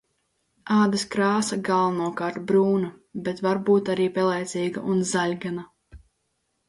Ādas krāsa galvenokārt brūna, bet var būt arī pelēcīga un zaļgana.